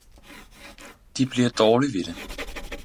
De bliver dårlig ved det